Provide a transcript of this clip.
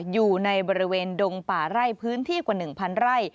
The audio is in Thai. อยู่ในบริเวณดงป่าไร่พื้นที่กว่า๑๐๐ไร่